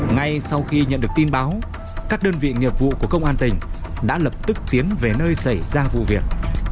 ngay sau khi nhận được tin báo các đơn vị nghiệp vụ của công an tỉnh đã lập tức tiến về nơi xảy ra vụ việc